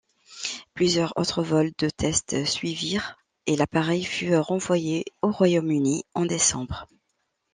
Plusieurs autres vols de tests suivirent, et l'appareil fut renvoyé au Royaume-Uni en décembre.